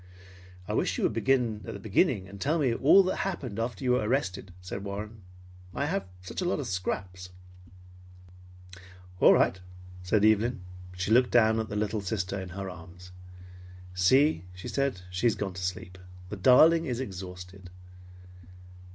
"I wish you would begin at the beginning and tell me all that happened after you were arrested," said Warren. "I have had such a lot of scraps." "All right," said Evelyn. She looked down at the little sister in her arms. "See," she said, "she has gone to sleep. The darling is exhausted."